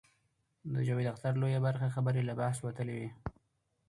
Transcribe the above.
د جاوید اختر لویه برخه خبرې له بحث وتلې وې.